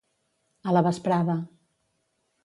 A la vesprada.